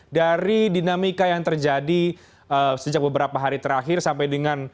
dari dinamika yang terjadi sejak beberapa hari terakhir sampai dengan